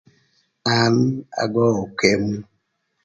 An agöö ökëmü